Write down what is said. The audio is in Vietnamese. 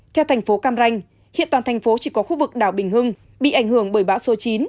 theo thành phố cam ranh hiện toàn thành phố chỉ có khu vực đảo bình hưng bị ảnh hưởng bởi bão số chín